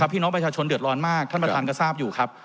พี่น้องประชาชนเดือดร้อนมากท่านประธานก็ทราบอยู่ครับ